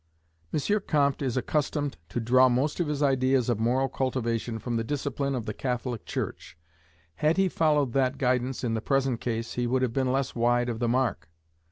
M. Comte is accustomed to draw most of his ideas of moral cultivation from the discipline of the Catholic Church. Had he followed that guidance in the present case, he would have been less wide of the mark.